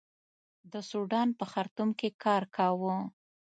د سوډان په خرتوم کې کار کاوه.